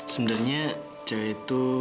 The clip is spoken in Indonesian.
sebenarnya cewek itu